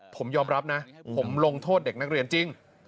ผมยอมรับนะผมลงโทษเด็กนักเรียนจริง